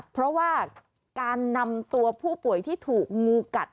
เพราะว่าการนำตัวผู้ป่วยที่ถูกงูกัด